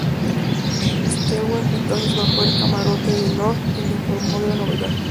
Stewart entonces bajó al camarote de Lord y le informó de la novedad.